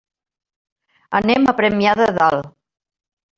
Anem a Premià de Dalt.